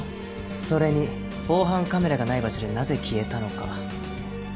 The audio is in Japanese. それに防犯カメラがない場所でなぜ消えたのか。